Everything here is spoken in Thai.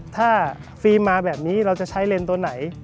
ถ้าฟิล์มมาแบบนี้เราจะใช้เลนส์ตัวไหน